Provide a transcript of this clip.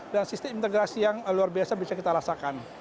sistem integrasi yang luar biasa bisa kita rasakan